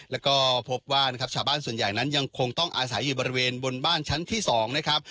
แล้วก็พบว่านะครับชาวบ้านส่วนใหญ่นั้นยังคงต้องอาศัยอยู่บริเวณบนบ้านชั้นที่๒นะครับ